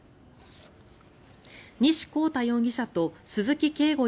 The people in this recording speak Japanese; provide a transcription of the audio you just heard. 西康太容疑者と鈴木慶吾